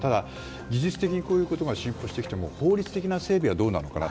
技術的に、こういうことが進歩してきても法律的な整備はどうなのかな。